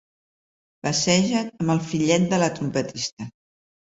Passejat amb el fillet de la trompetista.